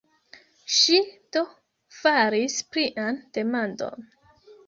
Ŝi, do, faris plian demandon.